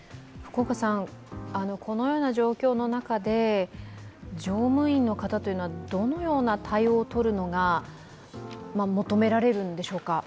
このような状況の中で乗務員の方というのはどのような対応をとるのが求められるんでしょうか？